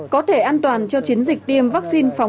có thể an toàn cho chiến dịch tiêm vaccine